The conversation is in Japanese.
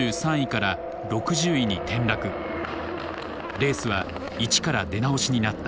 レースは一から出直しになった。